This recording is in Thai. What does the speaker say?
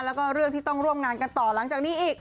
แล้วก็เรื่องที่ต้องร่วมงานกันต่อหลังจากนี้อีก